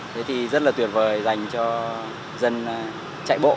thế thì rất là tuyệt vời dành cho dân chạy bộ